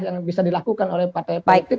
yang bisa dilakukan oleh partai politik